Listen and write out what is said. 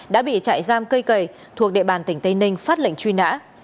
đã bị trại giam cây cầy thuộc địa bàn tỉnh tây ninh phát lệnh truy nã